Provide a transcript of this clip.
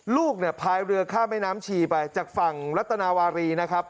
ลูกเนี่ยพายเรือข้ามแม่น้ำชีไปจากฝั่งรัตนาวารีนะครับ